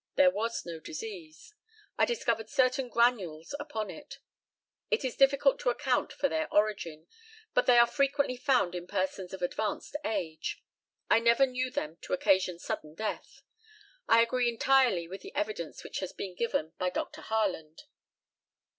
There was no disease. I discovered certain granules upon it. It is difficult to account for their origin, but they are frequently found in persons of advanced age. I never knew them to occasion sudden death. I agree entirely with the evidence which has been given by Dr. Harland.